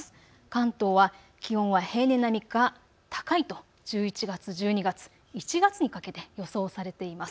関東は気温は平年並みか高いと１１月、１２月、１月にかけて予想されています。